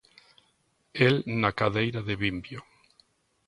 El na cadeira de vimbio.